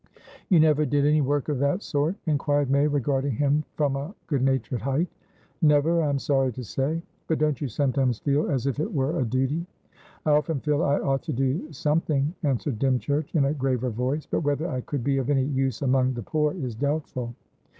"You never did any work of that sort?" inquired May, regarding him from a good natured height. "Never, I'm sorry to say." "But don't you sometimes feel as if it were a duty?" "I often feel I ought to do something," answered Dymchurch, in a graver voice. "But whether I could be of any use among the poor, is doubtful."